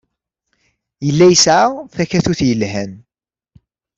Yella yesɛa takatut yelhan.